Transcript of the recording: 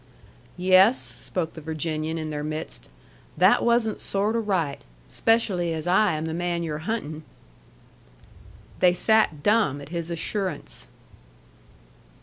"Yes," spoke the Virginian in their midst, "that wasn't sort o' right. Especially as I am the man you're huntin'." They sat dumb at his assurance.